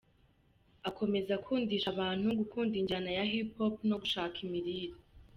Akomeza akundisha abantu gukunda injyana ya Hip Hop no gushaka imirire.